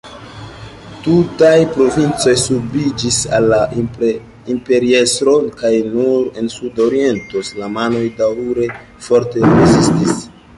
Tutaj provincoj subiĝis al la imperiestro kaj nur en sud-oriento islamanoj daŭre forte rezistis.